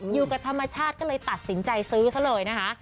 อยู่กับธรรมชาติก็เลยตัดสินใจซื้อซะเลยนะคะ